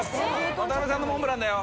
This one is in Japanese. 渡辺さんのモンブランだよ。